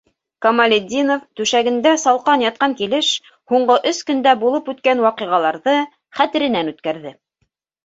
Камалетдинов, түшәгендә салҡан ятҡан килеш, һуңғы өс көндә булып үткән ваҡиғаларҙы хәтеренән үткәрҙе.